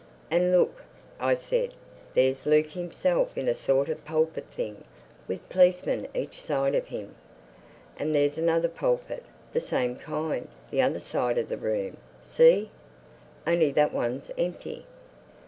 "And look!" I said, "there's Luke himself in a sort of pulpit thing with policemen each side of him. And there's another pulpit, the same kind, the other side of the room, see—only that one's empty."